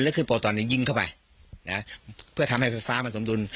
แล้วคือโปรตอนนี้ยิงเข้าไปนะเพื่อทำให้ไฟฟ้ามันสมดุล